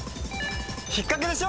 引っ掛けでしょ